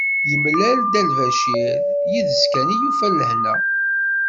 Yemlal-d Lbacir, yid-s kan i yufa lehna.